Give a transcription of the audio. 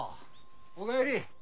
お帰り！